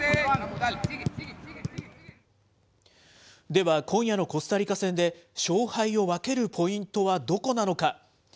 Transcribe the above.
では今夜のコスタリカ戦で、勝敗を分けるポイントはどこなのか。